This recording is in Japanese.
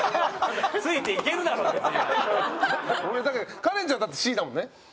カレンちゃんはだってＣだもんね？